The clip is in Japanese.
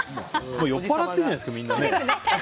酔っぱらってるんじゃないですかみんな。